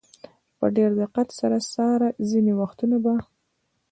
په ډېر دقت سره څاره، ځینې وختونه به.